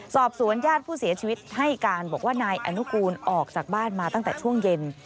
สอบสวนญาติผู้เสียชีวิตให้การบอกว่านายอนุกูลออกจากบ้านมาตั้งแต่ช่วงเย็น